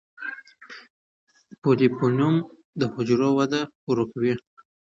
پولیفینول د حجرو وده ورو کوي.